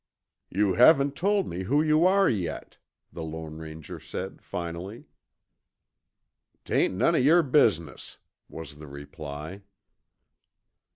"You haven't told me who you are yet," the Lone Ranger said finally. "Tain't none of yer business," was the reply.